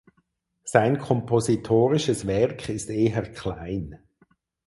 Sein kompositorisches Werk ist eher klein.